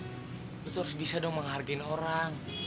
lu tuh harus bisa dong menghargai orang